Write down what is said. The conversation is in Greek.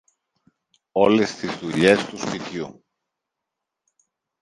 Όλες τις δουλειές του σπιτιού.